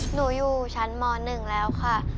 หนูอยู่ชั้นม๑แล้วค่ะ